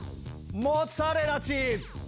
モッツァレラチーズ！